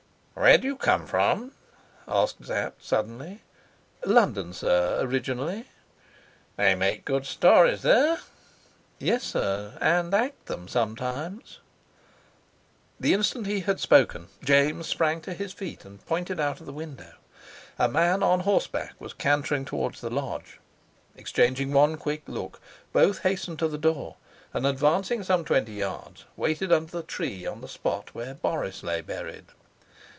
"Where do you come from?" asked Sapt, suddenly. "London, sir, originally." "They make good stories there?" "Yes, sir, and act them sometimes." The instant he had spoken, James sprang to his feet and pointed out of the window. A man on horseback was cantering towards the lodge. Exchanging one quick look, both hastened to the door, and, advancing some twenty yards, waited under the tree on the spot where Boris lay buried.